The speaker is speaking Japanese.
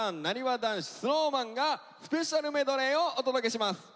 男子ＳｎｏｗＭａｎがスペシャルメドレーをお届けします。